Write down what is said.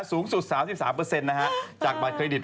สูงสุด๓๓จากบัตรเครดิต